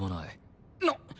なっ！